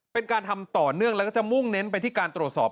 เป็นการทำต่อเนื่องแล้วก็จะมุ่งเน้นไปที่การตรวจสอบ